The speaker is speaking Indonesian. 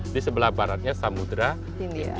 di sebelah baratnya samudera